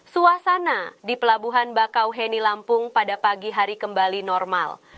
suasana di pelabuhan bakauheni lampung pada pagi hari kembali normal